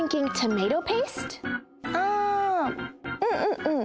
あうんうんうん。